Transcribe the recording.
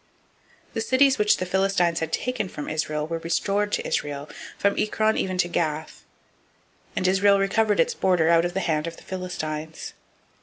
007:014 The cities which the Philistines had taken from Israel were restored to Israel, from Ekron even to Gath; and the border of it did Israel deliver out of the hand of the Philistines.